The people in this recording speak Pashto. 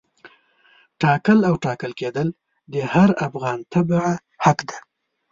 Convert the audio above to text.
ټاکل او ټاکل کېدل د هر افغان تبعه حق دی.